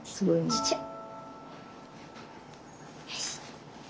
ちっちゃい！